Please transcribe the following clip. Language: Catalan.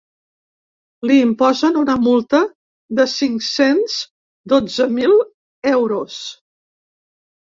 Li imposen una multa de cinc-cents dotze mil euros.